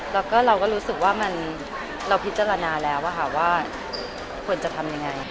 แล้วก็เราก็รู้สึกว่าเราพิจารณาแล้วว่าควรจะทำยังไง